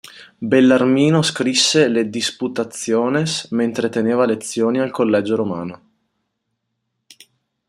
Bellarmino scrisse le "Disputationes" mentre teneva lezioni al Collegio Romano.